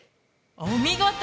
お見事。